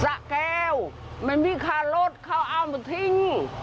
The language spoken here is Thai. สะแก้วมันมีค่ารถเขาเอามาทิ้ง